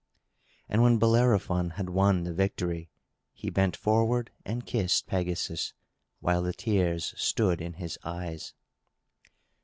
And when Bellerophon had won the victory, he bent forward and kissed Pegasus, while the tears stood in his eyes.